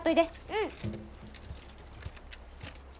うん。